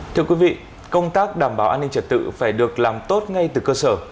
thưa quý vị công tác đảm bảo an ninh trật tự phải được làm tốt ngay từ cơ sở